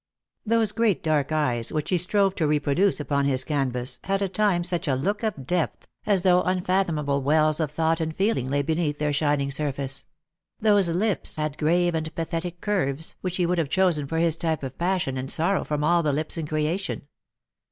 Those great dark eyes, which he strove to reproduce upon his canvas, had at times such a look of depth, as though unfathomable wells of thought and feeling lay beneath their shining surface; those lips had grave and pathetic curves, which he would have chosen for his type of passion and sorrow from all the lips in creation.